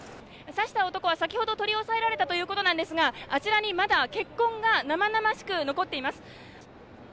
刺した男は先ほど取り押さえられたということですがあちらにまだ血痕が生々しく残っています。